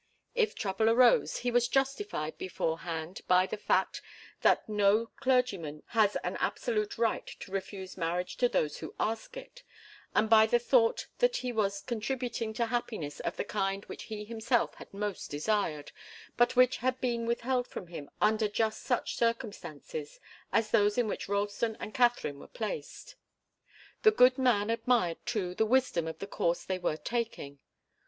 If trouble arose he was justified beforehand by the fact that no clergyman has an absolute right to refuse marriage to those who ask it, and by the thought that he was contributing to happiness of the kind which he himself had most desired, but which had been withheld from him under just such circumstances as those in which Ralston and Katharine were placed. The good man admired, too, the wisdom of the course they were taking.